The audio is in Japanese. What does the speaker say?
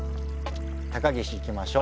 高岸いきましょう。